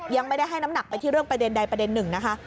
ยังไม่ได้ให้น้ำหนักไปที่เรื่องประเด็นใดประเด็นหนึ่งนะคะ